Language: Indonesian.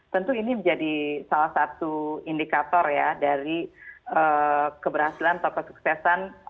tentu ini menjadi salah satu indikator ya dari keberhasilan atau kesuksesan